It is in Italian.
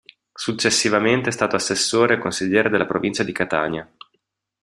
Successivamente è stato assessore e consigliere della provincia di Catania.